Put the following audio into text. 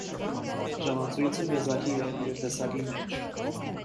Ժամացույցն եզակի է իր տեսակի մեջ։